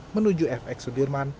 menuju fx sudirman